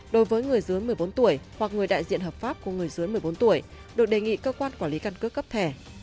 đối với người dưới một mươi bốn tuổi hoặc người đại diện hợp pháp của người dưới một mươi bốn tuổi được đề nghị cơ quan quản lý căn cước cấp thẻ